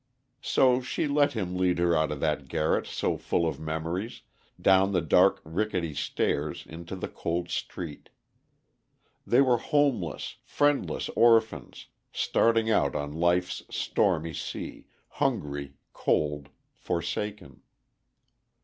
So she let him lead her out of that garret so full of memories, down the dark rickety stairs, into the cold street. They were homeless, friendless orphans, starting out on life's stormy sea, hungry, cold, forsaken.